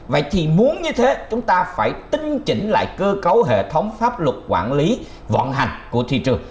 và chỉ muốn như thế chúng ta phải tinh chỉnh lại cơ cấu hệ thống pháp luật quản lý vận hành của thị trường